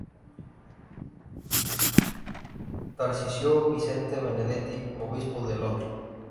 Tarsicio Vicente Benedetti, obispo de Lodi.